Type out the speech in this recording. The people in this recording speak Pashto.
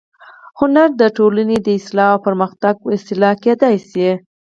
هنر د ټولنې د اصلاح او پرمختګ وسیله کېدای شي